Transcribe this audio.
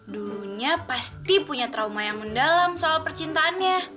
dulunya pasti punya trauma yang mendalam soal percintaannya